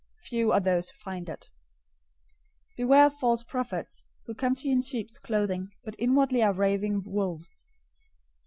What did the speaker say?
Few are those who find it. 007:015 "Beware of false prophets, who come to you in sheep's clothing, but inwardly are ravening wolves.